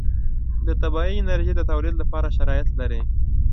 د طبعي انرژي د تولید لپاره شرایط لري.